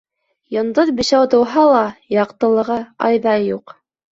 Йондоҙ бишәү тыуһа ла, яҡтылығы айҙай юҡ.